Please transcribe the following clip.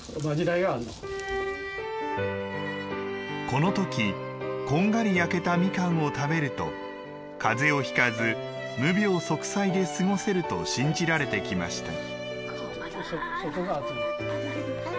この時、こんがり焼けたみかんを食べると風邪をひかず無病息災で過ごせると信じられてきました。